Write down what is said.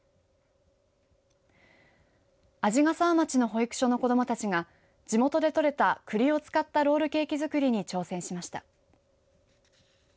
鰺ヶ沢町の保育所の子どもたちが地元でとれたくりを使ったロールケーキづくりに挑戦しました。